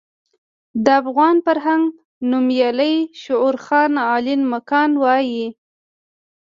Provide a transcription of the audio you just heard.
د افغان فرهنګ نومیالی شعور خان علين مکان وايي.